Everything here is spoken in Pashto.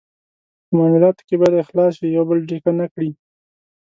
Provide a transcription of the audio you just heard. په معالاتو کې باید اخلاص وي، یو بل ډیکه نه کړي.